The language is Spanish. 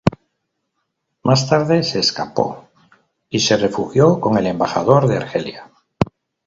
Más tarde se escapó y se refugió con el embajador de Argelia.